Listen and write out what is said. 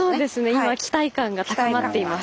今期待感が高まっています。